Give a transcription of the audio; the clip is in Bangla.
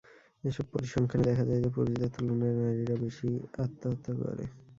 এসব পরিসংখ্যানে দেখা যায় যে, পুরুষদের তুলনায় নারীরা বেশি আত্মহত্যা করে।